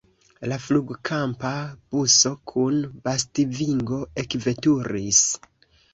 La flugkampa buso kun batsvingo ekveturis.